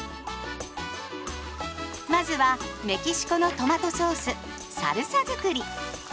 まずはメキシコのトマトソースサルサづくり。